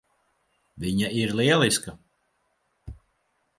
Viņa ir lieliska.